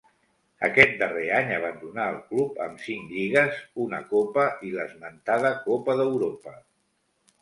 Aquest darrer any abandonà el club amb cinc lligues, una copa i l'esmentada Copa d'Europa.